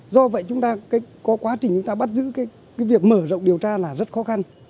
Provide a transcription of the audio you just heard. do vậy chúng ta có quá trình chúng ta bắt giữ cái việc mở rộng điều tra là rất khó khăn